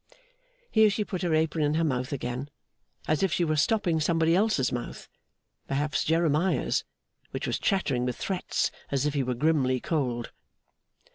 Here she put her apron in her mouth again, as if she were stopping somebody else's mouth perhaps Jeremiah's, which was chattering with threats as if he were grimly cold.